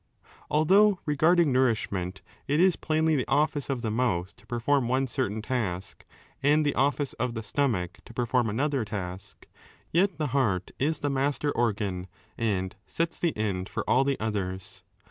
^ Although regarding nourishment it is plainly the office 6 of the mouth to perform one certain task, and the office of the stomach to perform another task, yet the heart is the master organ and sets the end for all the others.